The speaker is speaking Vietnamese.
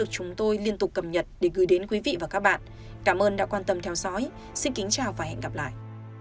cảm ơn các bạn đã theo dõi và hẹn gặp lại